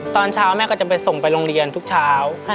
ตอนเช้าแม่ก็จะไปส่งไปโรงเรียนทุกเช้า